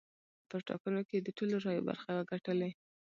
په ټاکنو کې یې د ټولو رایو برخه وګټلې.